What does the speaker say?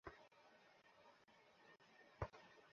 আমি কখনো এখানে কিছু খুঁজে পাই না।